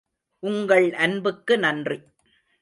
உங்கள் அன்புக்கு நன்றி.